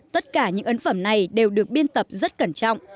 tất cả những ấn phẩm này đều được biên tập rất cẩn trọng